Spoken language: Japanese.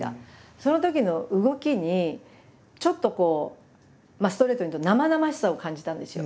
そのときの動きにちょっとこうストレートに言うと生々しさを感じたんですよ。